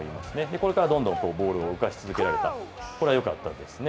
これからどんどんボールを動かし続けられた、それがよかったですね。